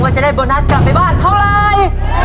จะได้โบนัสกลับไปบ้านเท่าไร